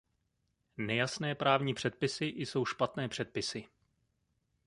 Nejasné právní předpisy jsou špatné předpisy.